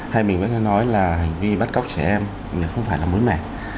hay mình vẫn nói là hành vi bắt cóc trẻ em không phải là mối mẹ